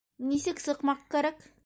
Нисек сыҡмаҡ кәрәк?